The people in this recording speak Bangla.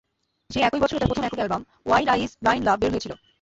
সেই একই বছরে তাঁর প্রথম একক album Wide Eyes Blind Love বের হয়েছিল।